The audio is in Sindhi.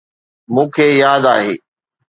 مون کي ياد آهي.